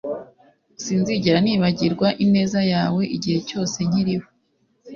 sinzigera nibagirwa ineza yawe igihe cyose nkiriho